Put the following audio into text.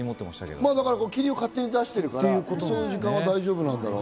霧を勝手に出してるから、その時間は大丈夫なんだろうね。